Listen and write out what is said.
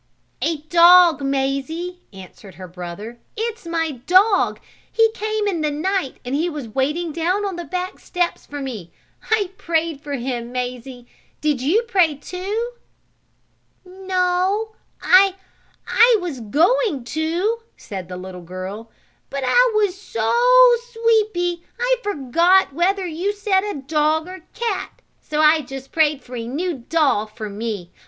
"A dog, Mazie," answered her brother. "It's my dog! He came in the night, and he was waiting down on the back steps for me. I prayed for him. Did you pray too, Mazie?" "No. I I was going to," said the little girl, "but I was so sleepy I forgot whether you said a dog or a cat, so I just prayed for a new doll for me.